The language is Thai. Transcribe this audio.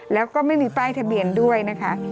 แล้วก็ไม่มีป้ายทะเบียนด้วยนะคะ